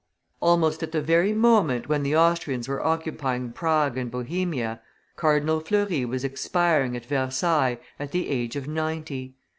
Almost at the very moment when the Austrians were occupying Prague and Bohemia, Cardinal Fleury was expiring, at Versailles, at the age of ninety.